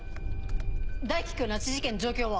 大樹君拉致事件の状況は？